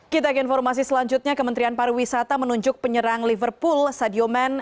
kita ke informasi selanjutnya kementerian pariwisata menunjuk penyerang liverpool sadio man